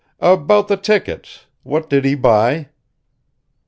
"About the tickets what did he buy?"